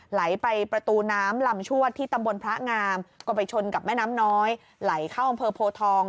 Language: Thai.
ไหลไปประตูน้ำลำชวดที่ตำบลพระงามก็ไปชนกับแม่น้ำน้อยไหลเข้าอำเภอโพทอง